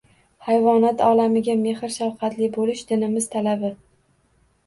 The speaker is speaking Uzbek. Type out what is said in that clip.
Hayvonot olamiga mehr-shafqatli bo‘lish – dinimiz talabi!